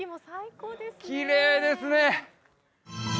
きれいですね